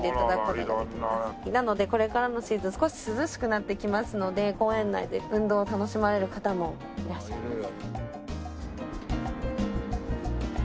なのでこれからのシーズン少し涼しくなってきますので公園内で運動を楽しまれる方もいらっしゃいます。